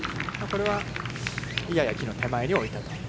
これは、やや木の手前に置いたと。